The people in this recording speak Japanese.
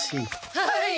はい。